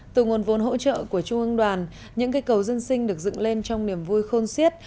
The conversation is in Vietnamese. từ nguồn vốn hỗ trợ của trung ương đoàn những cây cầu dân sinh được dựng lên trong niềm vui khôn siết